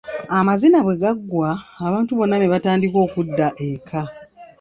Amazina bwe gaggwa, abantu bonna ne batandika okudda eka.